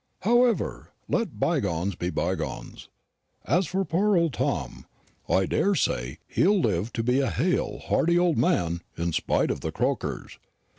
However, let bygones be bygones. As for poor old Tom, I daresay he'll live to be a hale, hearty old man, in spite of the croakers.